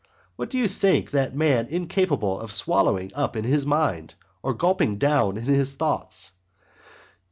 What do you think that man incapable of swallowing up in his mind, or gulping down in his thoughts!